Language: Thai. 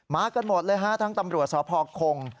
กันหมดเลยฮะทั้งตำรวจสพคง